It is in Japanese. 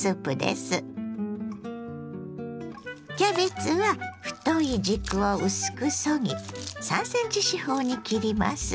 キャベツは太い軸を薄くそぎ３ｃｍ四方に切ります。